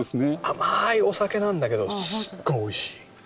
甘いお酒なんだけどすっごいおいしい。